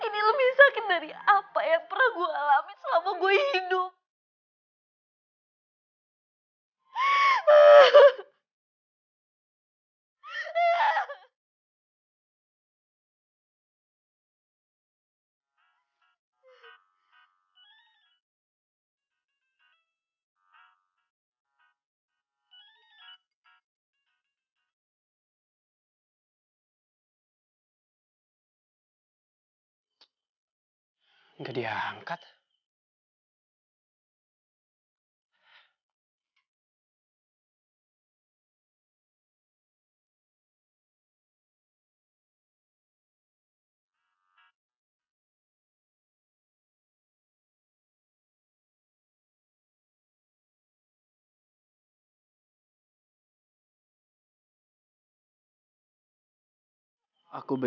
ini lebih sakit dari apa yang pernah gue alami selama gue hidup